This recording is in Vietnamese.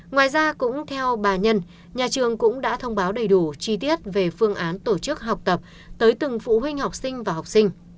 ngoài ra cũng theo bà nhân nhà trường cũng đã thông báo đầy đủ chi tiết về phương án tổ chức học tập tới từng phụ huynh học sinh và học sinh